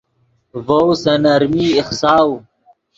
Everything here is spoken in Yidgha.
ڤؤ سے نرمی ایخساؤ